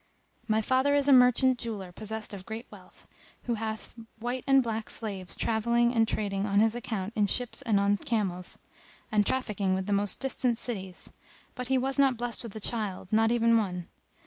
My father is a merchant jeweller possessed of great wealth, who hath white and black slaves travelling and trading on his account in ships and on camels, and trafficking with the most distant cities; but he was not blessed with a child, not even one.